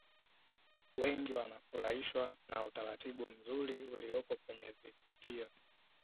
wengi wanafurahishwa na utaratibu mzuri uliopo kwenye vivutio